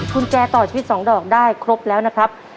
กุญแจต่อชีวิต๒ดอกได้ครบแล้วนะครับ